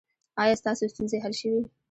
ایا ستاسو ستونزې حل شوې؟